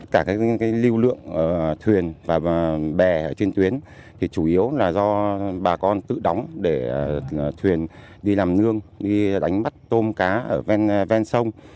cả lưu lượng thuyền và bè trên tuyến chủ yếu là do bà con tự đóng để thuyền đi làm nương đi đánh bắt tôm cá ở bên sông